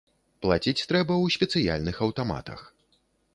Плаціць трэба ў спецыяльных аўтаматах.